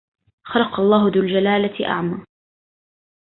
خلق الله ذو الجلالة أعمى